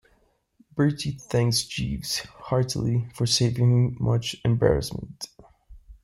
Bertie thanks Jeeves heartily for saving him much embarrassment.